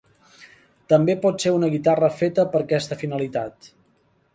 També pot ser una guitarra feta per a aquesta finalitat.